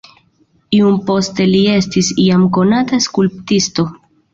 Iom poste li estis jam konata skulptisto.